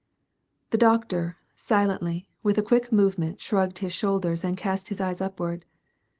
" The doctor, silently, with a quick movement shrugged his shoulders and cast his eyes uj)ward.